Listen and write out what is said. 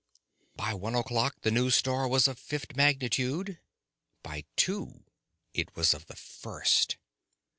By one o'clock, the new star was of fifth magnitude; by two it was of the first.